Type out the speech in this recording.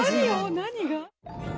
何が？